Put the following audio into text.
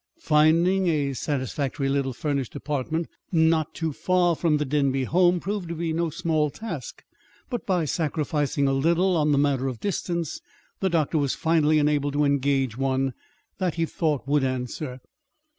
Finding a satisfactory little furnished apartment, not too far from the Denby home, proved to be no small task. But by sacrificing a little on the matter of distance, the doctor was finally enabled to engage one that he thought would answer.